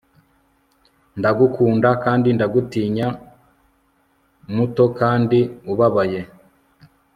Ndagukunda kandi ndagutinya muto kandi ubabaye